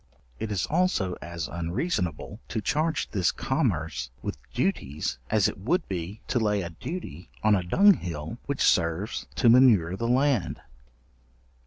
It is also as unreasonable to charge this commerce with duties as it would be to lay a duty on a dunghill which serves to manure the land.